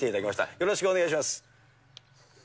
よろしくお願いします。